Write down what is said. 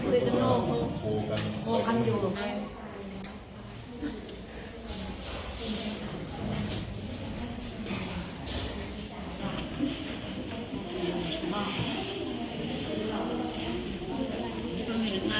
เราต้องกล่องแม่ตารึเปล่า